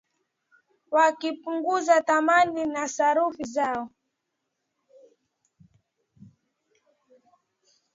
wakipunguza thamani ya sarafu zao